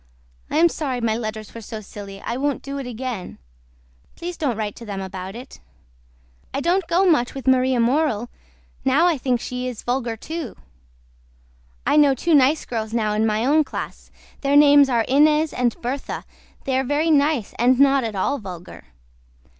I AM SORRY MY LETTERS WERE SO SILLY I WONT DO IT AGAIN. PLEASE DON'T WRITE TO THEM ABOUT IT. I DON'T GO MUCH WITH MARIA MORELL NOW I THINK SHE SHE IS VULGER TO. I KNOW TWO NICE GIRLS NOW IN MY OWN CLASS THEIR NAMES ARE INEZ AND BERTHA THEY ARE VERY NICE AND NOT AT ALL VULGER.